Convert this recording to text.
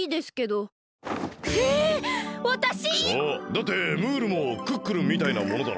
だってムールもクックルンみたいなものだろ。